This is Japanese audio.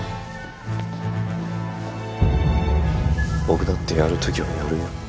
僕だってやるときはやるよ。